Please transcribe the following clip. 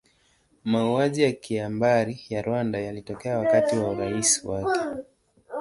Mauaji ya kimbari ya Rwanda yalitokea wakati wa urais wake.